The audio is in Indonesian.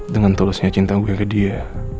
dengan tulusnya cinta gue ke dia